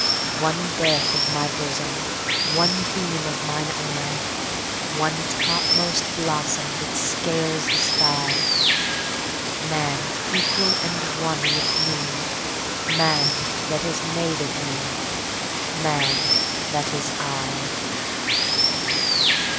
One birth of my bosom; One beam of mine eye; One topmost blossomThat scales the sky; Man, equal and one with me, man that is made of me, man that is I.